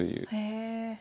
へえ。